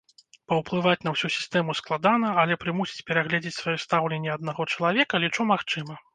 Паўплываць на ўсю сістэму складана, але прымусіць перагледзець сваё стаўленне аднаго чалавека, лічу, магчыма.